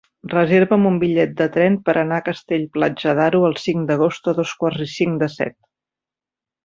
Reserva'm un bitllet de tren per anar a Castell-Platja d'Aro el cinc d'agost a dos quarts i cinc de set.